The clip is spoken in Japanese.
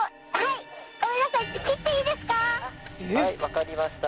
はい分かりました。